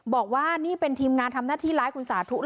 บอกว่านี่เป็นทีมงานทำหน้าที่ร้ายคุณสาธุนะ